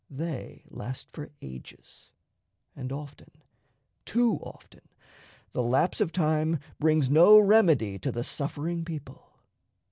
They last for ages; and often, too often, the lapse of time brings no remedy to the suffering people.